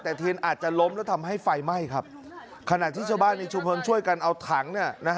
แต่เทรนดร์อาจจะล้มและทำให้ไฟไม่ครับขณะที่บ้านชุมเพิงช่วยกันเอาถัง